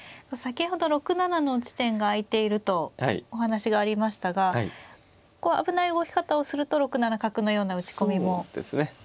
こう先ほど６七の地点が空いているとお話がありましたがここは危ない動き方をすると６七角のような打ち込みも出てきますか。